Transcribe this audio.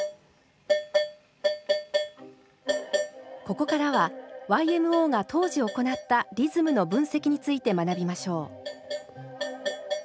ここからはＹＭＯが当時行ったリズムの分析について学びましょう。